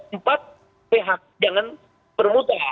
empat ph dengan permuta